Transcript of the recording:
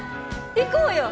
行こうよ！